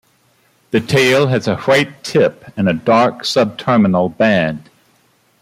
The tail has a white tip and a dark subterminal band.